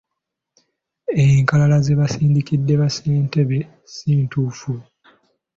Enkalala ze baasindikidde bassentebe si ntuufu.